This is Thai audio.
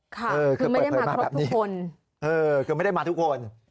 ค่ะคือไม่ได้มาครบทุกคนคือไม่ได้มาทุกคน